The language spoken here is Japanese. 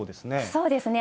そうですね。